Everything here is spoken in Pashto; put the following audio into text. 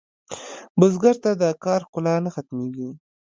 بزګر ته د کار ښکلا نه ختمېږي